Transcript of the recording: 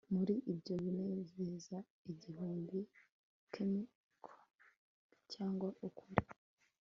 muri ibyo binezeza igihumbi, chimerical cyangwa ukuri